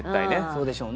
そうでしょうね。